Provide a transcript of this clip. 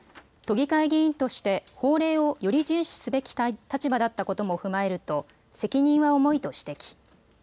都議会議員として法令をより順守すべき立場だったことも踏まえると責任は重いと指摘。